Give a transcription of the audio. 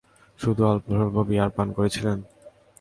শুধু অল্পস্বল্প বিয়ার পান করেছিলেন?